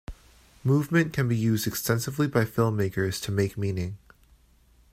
Movement can be used extensively by film makers to make meaning.